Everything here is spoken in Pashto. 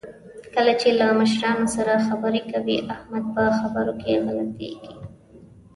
کله چې له مشرانو سره خبرې کوي، احمد په خبرو کې غلطېږي.